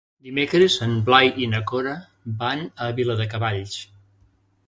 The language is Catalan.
Dimecres en Blai i na Cora van a Viladecavalls.